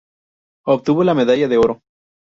Obtuvo la Medalla de oro.